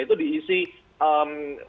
itu diisi pesawat itu